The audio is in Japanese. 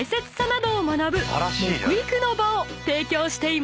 木育の場を提供しています］